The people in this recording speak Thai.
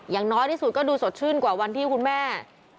อย่างน้อยที่สุดก็ดูสดชื่นกว่าวันที่คุณแม่